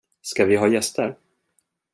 Ska vi ha gäster?